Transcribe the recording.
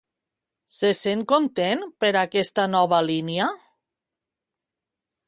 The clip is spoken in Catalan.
Se sent content per aquesta nova línia?